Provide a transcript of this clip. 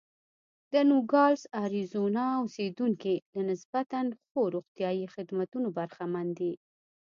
د نوګالس اریزونا اوسېدونکي له نسبتا ښو روغتیايي خدمتونو برخمن دي.